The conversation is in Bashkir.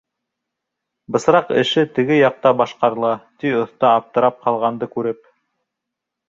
— Бысраҡ эше теге яҡта башҡарыла, — ти оҫта, аптырап ҡалғанды күреп.